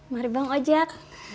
mari bang ojek